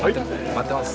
待ってます。